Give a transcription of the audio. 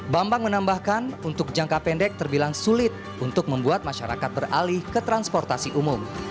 bambang menambahkan untuk jangka pendek terbilang sulit untuk membuat masyarakat beralih ke transportasi umum